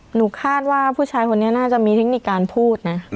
หนูคาดว่าผู้ชายคนนี้น่าจะมีเทคนิคการพูดนะ